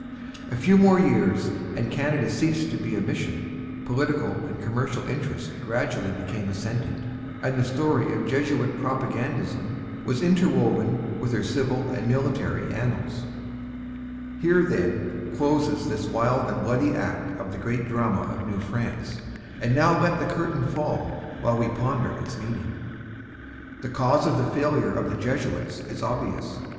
A few years more, and Canada ceased to be a mission; political and commercial interests gradually became ascendant, and the story of Jesuit propagandism was interwoven with her civil and military annals. Lettre de Lalemant au R. P. Provincial (Relation, 1650, 48). Here, then, closes this wild and bloody act of the great drama of New France; and now let the curtain fall, while we ponder its meaning. The cause of the failure of the Jesuits is obvious.